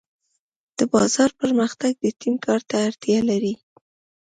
د بازار پرمختګ د ټیم کار ته اړتیا لري.